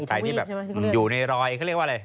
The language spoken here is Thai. ใครที่แบบอยู่ในรอยเขาเรียกว่าอะไร